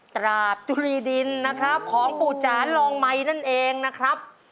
ตราบจุรีดินนะครับของปู่จานลองไมค์นั่นเองนะครับ